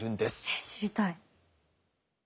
えっ知りたい。